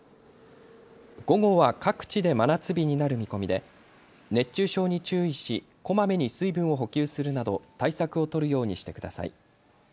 午後は各地で真夏日になる見込みで熱中症に注意しこまめに水分を補給するなど対策を取るようにしてください。